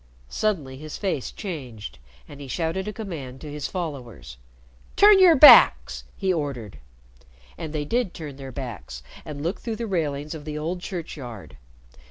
Suddenly his face changed, and he shouted a command to his followers. "Turn your backs!" he ordered. And they did turn their backs and looked through the railings of the old churchyard.